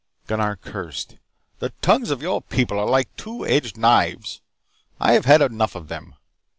Gunnar cursed. "The tongues of your people are like two edged knives. I have had enough of them.